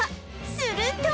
すると